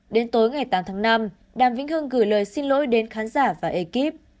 đến tối ngày tám tháng năm đàm vĩnh hưng gửi lời xin lỗi đến khán giả và ekip